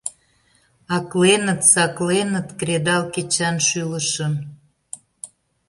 Акленыт, сакленыт кредал кечан шӱлышым.